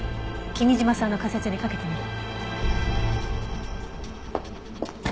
君嶋さんの仮説に賭けてみる。